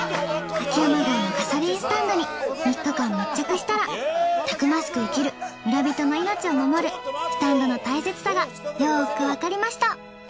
秋山郷のガソリンスタンドに３日間密着したらたくましく生きる村人の命を守るスタンドの大切さがよくわかりました。